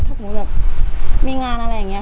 ถ้าผมมีงานอะไรอย่างนี้ค่ะ